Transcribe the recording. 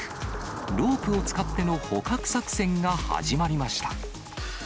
ロープを使っての捕獲作戦が始まりました。